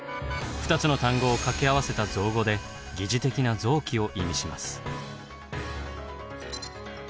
２つの単語を掛け合わせた造語で疑似的な臓器を意味します。